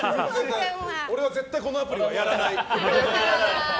俺は絶対このアプリはやらない。